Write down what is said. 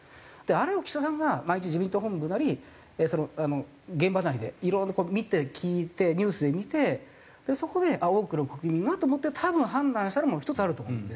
あれを岸田さんが毎日自民党本部なり現場なりでいろいろ見て聞いてニュースで見てそこで多くの国民がと思って多分判断したのも１つあると思うんですよ。